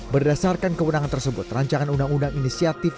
berdasarkan keunangan tersebut rancangan undang undang ini siaktif